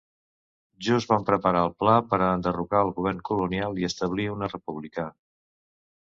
Junts van preparar el pla per a enderrocar al govern colonial i establir una República.